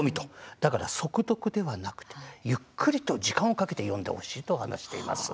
だから速読ではなくてゆっくりと時間をかけて読んでほしいと言っています。